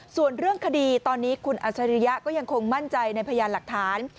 ส่วนเรื่องคดีตอนนี้คุณอัชริยะก็ยังคงมั่นใจในพยานหลักฐาน